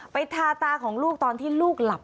ทาตาของลูกตอนที่ลูกหลับ